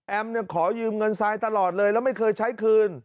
ขอยืมเงินทรายตลอดเลยแล้วไม่เคยใช้คืน